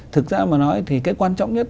thực ra mà nói thì cái quan trọng nhất